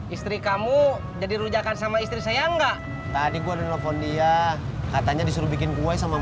istri kamu jadi rujakan sama istri saya enggak tadi gue nelfon dia katanya disuruh bikin kue sama